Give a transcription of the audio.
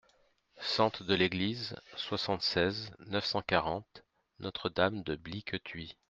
Sente de l'Église, soixante-seize, neuf cent quarante Notre-Dame-de-Bliquetuit